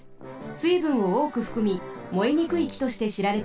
すいぶんをおおくふくみもえにくいきとしてしられています。